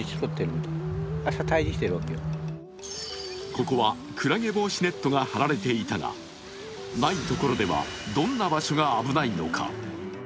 ここはクラゲ防止ネットが張られていたがないところでは、どんな場所が危ないのか。